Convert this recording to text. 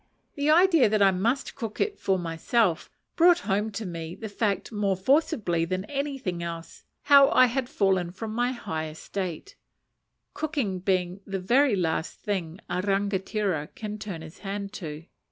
The idea that I must cook it for myself, brought home to me the fact more forcibly than anything else how I had "fallen from my high estate" cooking being the very last thing a rangatira can turn his hand to.